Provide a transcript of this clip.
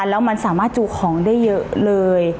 แล้วมันสามารถจูของได้เยอะเลย